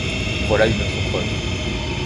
Voilà une autre preuve.